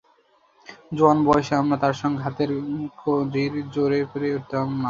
জোয়ান বয়সে আমরা তার সঙ্গে হাতের কজির জোরে পেরে উঠাতাম না।